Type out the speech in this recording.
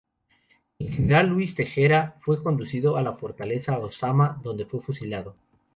El general Luís Tejera fue conducido a la Fortaleza Ozama donde fue fusilado.